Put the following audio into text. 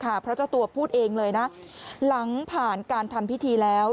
เพราะเจ้าตัวพูดเองเลยนะหลังผ่านการทำพิธีแล้ว